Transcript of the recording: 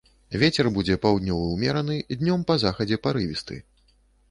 Вецер будзе паўднёвы ўмераны, днём па захадзе парывісты.